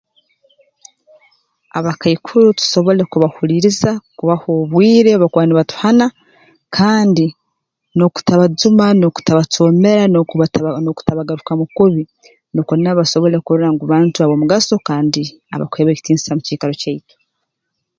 Abakaikuru tusobole kubahuliiriza kubaha obwire obu bakuba nibatuhana kandi n'okutabajuma n'okutabacoomera n'okuba n'okutabagarukamu kubi nukwo nabo basobole kurora ngu bantu ab'omgaso kandi abakuhebwa ekitiinisa mu kiikaro kyaitu